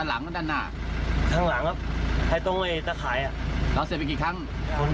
เห็นไหมครับ